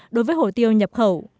đối với hồi tiêu nhập khẩu